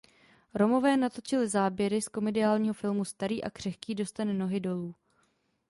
Romové natočili záběry z komediálního filmu „Starý a křehký dostane nohy dolů“.